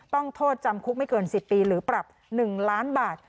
ต้องโทษจำคุกไม่เกิน๑๐ปีหรือปรับ๑ล้านบาท